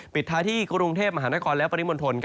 ปิดท้ายที่กรุงเทพมหานครและปริมณฑล